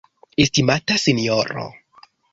Estimata Sinjoro.